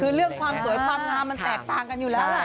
คือเรื่องความสวยความงามมันแตกต่างกันอยู่แล้วแหละ